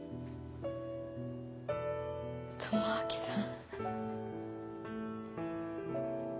智明さん。